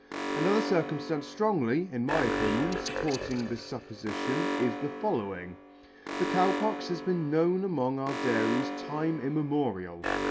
Another circumffance ftrongly, in my opinion, fupporting this fuppofition,. is the following : The Cow Pox has been known among our dairies time immemorial.